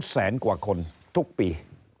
แสนกว่าคนทุกปี